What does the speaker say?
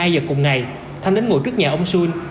hai mươi hai giờ cùng ngày thanh đến ngồi trước nhà ông xuân